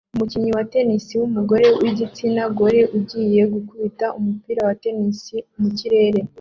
Umukinnyi wa tennis wumugore wigitsina gore ugiye gukubita umupira wa tennis mukirere